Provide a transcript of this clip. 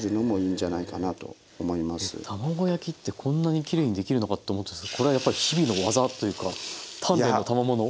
卵焼きってこんなにきれいにできるのかと思ったんですけどこれは日々の技というか鍛錬のたまもの？